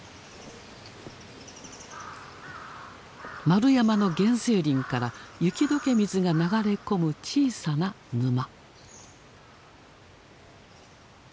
円山の原生林から雪解け水が流れ込む小さな沼。